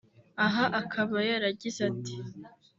aha akaba yaragize ati